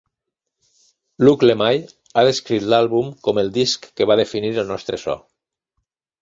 Luc Lemay ha descrit l'àlbum com el disc que va definir el nostre so.